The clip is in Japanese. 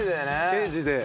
刑事で。